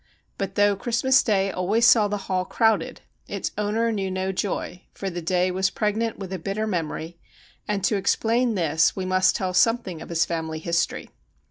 But though Christmas day always saw the Hall crowded, its owner knew no joy, for the day was pregnant with a bitter memory ; and to explain this we must tell something of his family history.